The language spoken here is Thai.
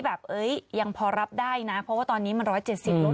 แบบเอ๊ยยังพอรับได้นะเพราะว่าตอนนี้มันร้อยเจ็ดสิบลด